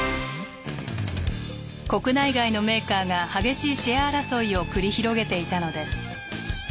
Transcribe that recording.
国内外のメーカーが激しいシェア争いを繰り広げていたのです。